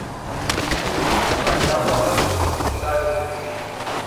پاچا ورته موټ موټ طلاوې ورکوي.